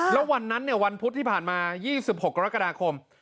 แล้ววันนั้นวันพุธที่ผ่านมา๒๖กรกฎาคม